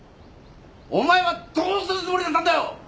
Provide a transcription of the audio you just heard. お前はどうするつもりだったんだよ！